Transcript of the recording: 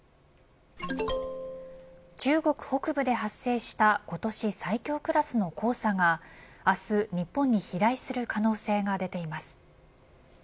ＪＴ中国北部で発生した今年最強クラスの黄砂が明日、日本に飛来する可能性が出ています。